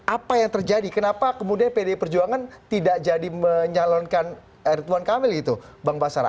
apa yang terjadi kenapa kemudian pdi perjuangan tidak jadi menyalonkan ridwan kamil gitu bang basara